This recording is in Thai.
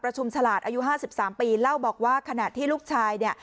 ฉุมฉลาดอายุ๕๓ปีเล่าบอกว่าขณะที่ลูกชายเนี่ย